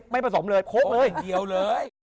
ไม่ผสมเลยโค๊กเลยเดี๋ยวเลย